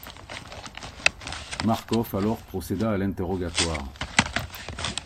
Marcof alors procéda à l'interrogatoire.